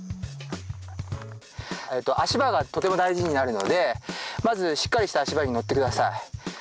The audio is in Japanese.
足場がとても大事になるのでまずしっかりした足場に乗って下さい。